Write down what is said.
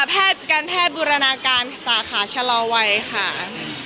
แพทย์การแพทย์บูรณาการสาขาชะลอวัยค่ะ